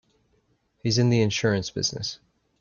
He's in the insurance business.